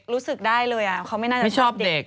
รู้สึกได้เลยเขาไม่น่าจะชอบเด็ก